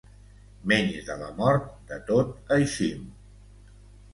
Menys de la mort, de tot eixim.